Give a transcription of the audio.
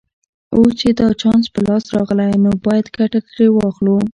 اوس چې دا چانس په لاس راغلی نو باید ګټه ترې واخلو